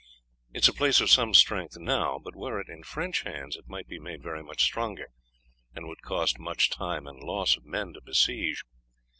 It is a place of some strength now; but were it in French hands it might be made very much stronger, and would cost much time and loss of men to besiege.